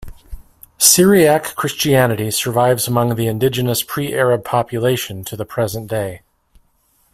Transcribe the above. Syriac Christianity survives among the indigenous pre-Arab population to the present day.